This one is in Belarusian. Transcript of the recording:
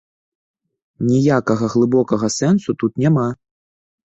Ніякага глыбокага сэнсу тут няма.